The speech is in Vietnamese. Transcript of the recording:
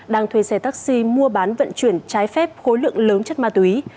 đang thuê xe taxi mua bán vận chuyển trái phép khối lượng lớn chất ma túy